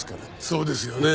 そうですよね。